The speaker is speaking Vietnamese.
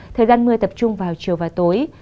thời gian mưa tập trung vào chiều và tối